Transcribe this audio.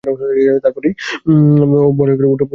তার পরেই ওর ভয় হল পাছে উলটো ধাক্কাটা জোরে এসে লাগে।